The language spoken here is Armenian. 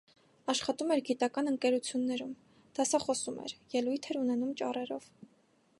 Աշխատում էր գիտական ընկերություններում, դասախոսում էր, ելույթ էր ունենում ճառերով։